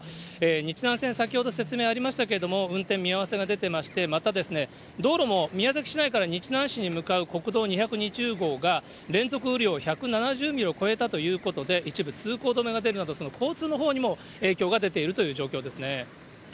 日南線、先ほど説明ありましたけれども、運転見合わせが出てまして、また、道路も宮崎市内から日南市に向かう国道２２０号が連続雨量１７０ミリを超えたということで、一部通行止めが出るなど、交通のほうにも影響が出ているという状況ですね。